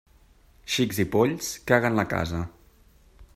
Xics i polls, caguen la casa.